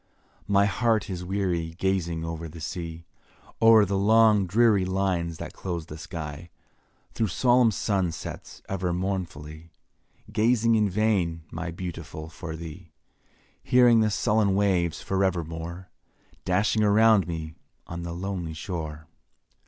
My heart is weary gazing o'er the sea; O'er the long dreary lines that close the sky; Through solemn sun sets ever mournfully, Gazing in vain, my Beautiful, for thee; Hearing the sullen waves for evermore Dashing around me on the lonely shore.